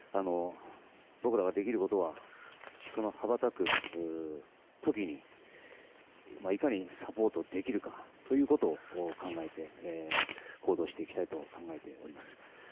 僕らができることはその羽ばたく時にいかにサポートできるかということを考えて行動していきたいと考えております。